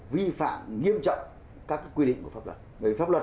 vi phạm nghiêm trọng các quy định của pháp luật